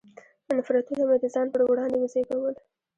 نفرتونه مې د ځان پر وړاندې وزېږول.